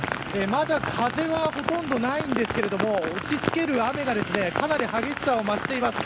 まだ、風はほとんどないんですけれども打ち付ける雨がかなり激しさを増しています。